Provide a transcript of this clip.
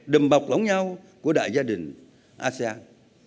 đùm bọc lóng nhau của đại gia đình asean